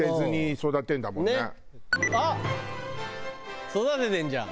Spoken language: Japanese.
育ててんじゃん。